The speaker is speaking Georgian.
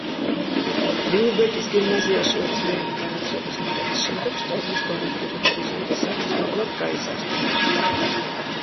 ლიუბეკის გიმნაზიაში ორ წლიანი განათლების მიღების შემდეგ, შტორმის გონებრივი ჰორიზონტი საგრძნობლად გაიზარდა.